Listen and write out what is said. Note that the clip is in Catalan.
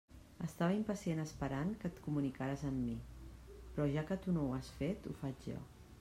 Estava impacient esperant que et comunicares amb mi, però ja que tu no ho has fet, ho faig jo.